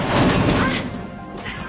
あっ。